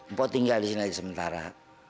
mpok tinggal disini aja sementara